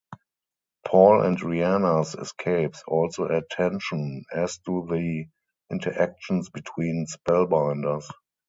Paul and Riana's escapes also add tension, as do the interactions between Spellbinders.